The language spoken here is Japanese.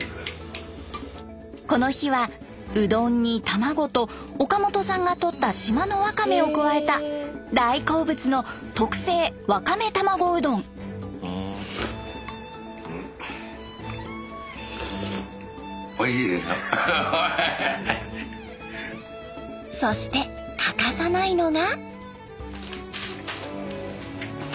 この日はうどんに卵と岡本さんがとった島のわかめを加えた大好物のそして欠かさないのが。